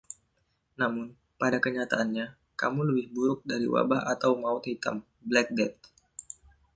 Namun, pada kenyataannya, kamu lebih buruk dari Wabah atau Maut Hitam (Black Death).